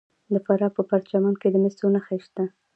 د فراه په پرچمن کې د مسو نښې شته.